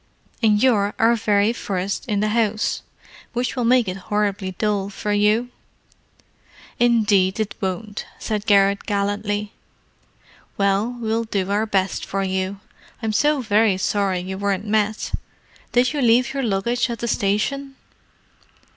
And you're our very first in the house, which will make it horribly dull for you." "Indeed, it won't," said Garrett gallantly. "Well, we'll do our best for you. I'm so very sorry you weren't met. Did you leave your luggage at the station?"